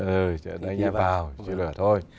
ừ anh em vào chia lửa thôi